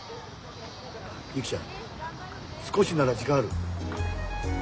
ゆきちゃん少しなら時間ある？